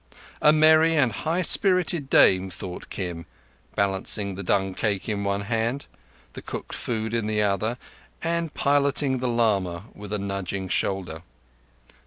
A merry and a high spirited dame, thought Kim, balancing the dung cake in one hand, the cooked food in the other, and piloting the lama with a nudging shoulder.